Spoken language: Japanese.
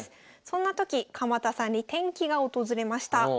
そんな時鎌田さんに転機が訪れました。